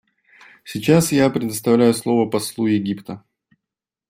Сейчас я предоставляю слово послу Египта.